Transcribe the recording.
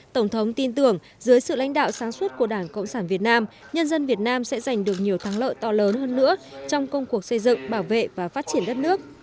tổng thống tin tưởng dưới sự lãnh đạo sáng suốt của đảng cộng sản việt nam nhân dân việt nam sẽ giành được nhiều thắng lợi to lớn hơn nữa trong công cuộc xây dựng bảo vệ và phát triển đất nước